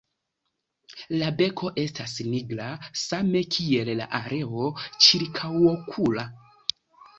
La beko estas nigra, same kiel la areo ĉirkaŭokula.